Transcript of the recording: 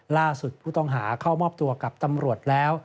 ล่าสุดผู้ต้องหาเข้ามอบตัวกับตำรวจแล้ว